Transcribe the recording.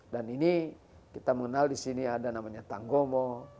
dan ini kita mengenal di sini ada namanya tanggomo